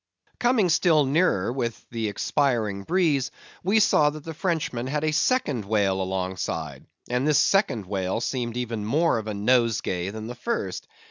Coming still nearer with the expiring breeze, we saw that the Frenchman had a second whale alongside; and this second whale seemed even more of a nosegay than the first.